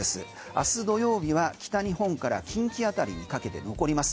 あす土曜日は北日本から近畿辺りにかけて残ります。